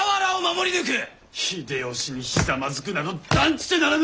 秀吉にひざまずくなど断じてならぬ！